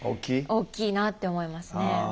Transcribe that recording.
大きいなって思いますね。